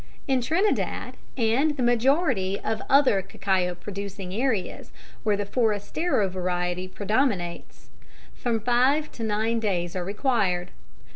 In Trinidad and the majority of other cacao producing areas, where the forastero variety predominates, from five to nine days are required.